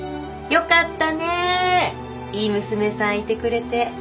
よかったねいい娘さんいてくれて。